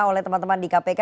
oleh teman teman di kpk